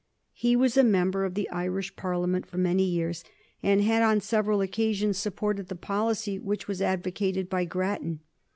He was a member of the Irish Parliament for many years, and had on several occasions supported the policy which was advocated by Grattan.